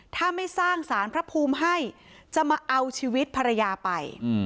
ถ้าไม่สร้างสารพระภูมิให้จะมาเอาชีวิตภรรยาไป